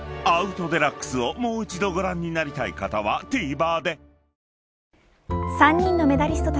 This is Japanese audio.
［『アウト×デラックス』をもう一度ご覧になりたい方はＴＶｅｒで］